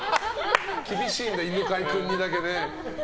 厳しいんだよ、犬飼君にだけ。